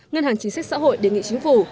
ngân hàng chính sách xã hội đề nghị chính phủ